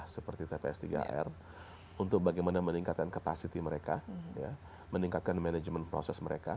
seperti tps iii ar untuk bagaimana meningkatkan capacity mereka meningkatkan management proses mereka